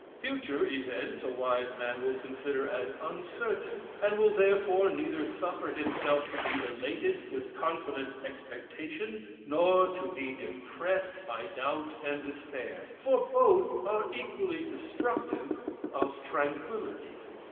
Future events a wise man will consider as uncertain, and will, therefore, neither suffer himself to be elated with confident expectation, nor to be depressed by doubt and despair: for both are equally destructive of tranquillity.